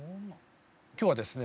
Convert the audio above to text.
今日はですね